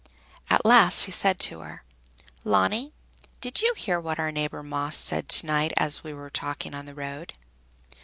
At last he said to her, "Leonie, did you hear what our neighbor Maes said to night as we were talking in the road?"